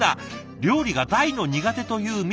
料理が大の苦手というみみさん。